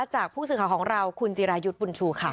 จากผู้สื่อข่าวของเราคุณจิรายุทธ์บุญชูค่ะ